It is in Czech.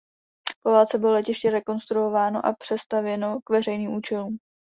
Po válce bylo letiště rekonstruováno a přestavěno k veřejným účelům.